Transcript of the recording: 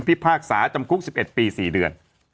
พากษาจำคุก๑๑ปี๔เดือน